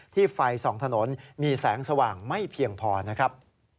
ไฟส่องถนนมีแสงสว่างไม่เพียงพอนะครับ